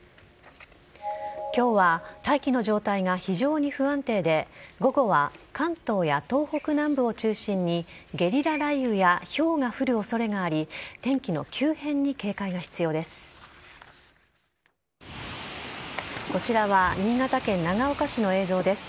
今日は大気の状態が非常に不安定で午後は関東や東北南部を中心にゲリラ雷雨やひょうが降る恐れがあり天気の急変に警戒が必要です。